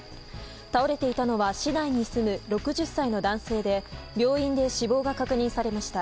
倒れていたのは市内に住む６０歳の男性で病院で死亡が確認されました。